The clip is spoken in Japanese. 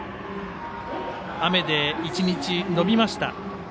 雨で１日延びました。